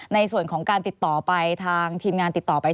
ในส่วนของการติดต่อไปทางทีมงานติดต่อไป